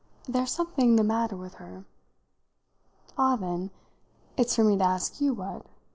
There's something the matter with her." "Ah, then, it's for me to ask you what.